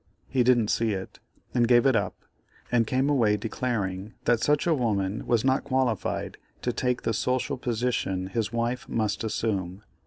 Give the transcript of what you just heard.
He didn't see it, and gave it up, and came away declaring that such a woman was not qualified to take the social position his wife must assume.